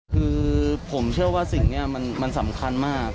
คือผมเชื่อว่าสิ่งนี้มันสำคัญมาก